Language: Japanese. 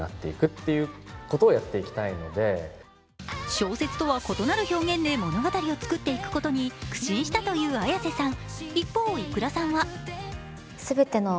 小説とは異なる表現で物語を作っていくことに苦心したというＡｙａｓｅさん